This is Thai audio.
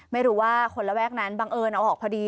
ไม่รู้ว่าคนระแวกนั้นบังเอิญเอาออกพอดี